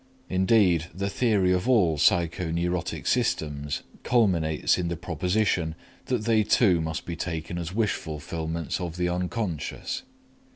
Indeed, the theory of all psychoneurotic symptoms culminates in the proposition that they too must be taken as wish fulfillments of the unconscious.